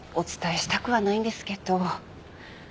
したくはないんですけど。